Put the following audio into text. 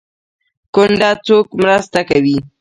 کونډه څوک مرسته کوي؟